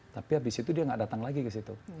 tapi abis itu dia gak datang lagi ke situ